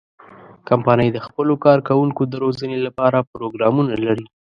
کمپنۍ د خپلو کارکوونکو د روزنې لپاره پروګرامونه لري.